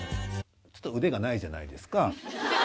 ちょっと腕がないじゃないですか。